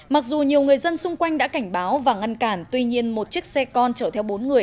mặc dù nhiều người dân xung quanh đã cảnh báo và ngăn cản tuy nhiên một chiếc xe con chở theo bốn người